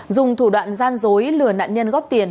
dùng thủ đoạn gian dối lừa nạn nhân góp tiền